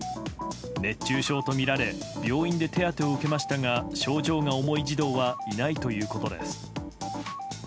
熱中症とみられ病院で手当てを受けましたが症状が重い児童はいないということです。